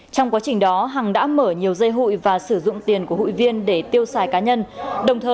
trong quá trình đó hằng đã mở nhiều dây hụi và sử dụng tiền của hụi viên để tiêu xài cá nhân